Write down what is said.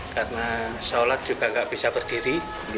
karena sholat juga nggak bisa berdiri